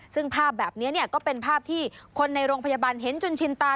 ซึ่งภาพแบบนี้ก็เป็นภาพที่คนในโรงพยาบาลเห็นจนชินตา